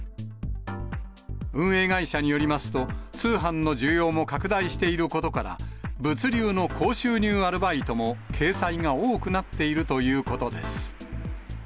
運営会社によりますと、通販の需要も拡大していることから、物流の高収入アルバイトも掲載が多くなっているということです。